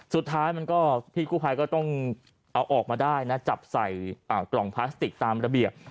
สุดท้ายมันก็พี่กู้ภัยก็ต้องเอาออกมาได้นะจับใส่กล่องพลาสติกตามระเบียบ